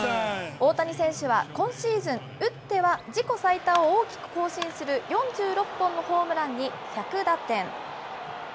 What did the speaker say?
大谷選手は今シーズン、打っては自己最多を大きく更新する４６本のホームランに１００打点。